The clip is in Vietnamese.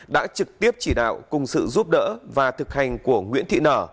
đã trực tiếp chỉ đạo cùng sự giúp đỡ và thực hành của nguyễn thị nở